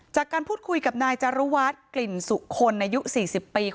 จากการพูดคุยกับนายจารุวัฒน์กลิ่นสุคลอายุ๔๐ปี